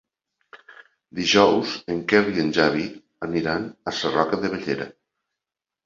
Dijous en Quer i en Xavi aniran a Sarroca de Bellera.